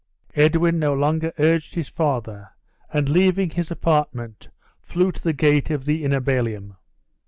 Edwin no longer urged his father, and leaving his apartment, flew to the gate of the inner ballium.